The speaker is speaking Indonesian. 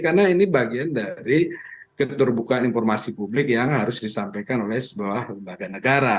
karena ini bagian dari keturbukaan informasi publik yang harus disampaikan oleh sebuah lelaki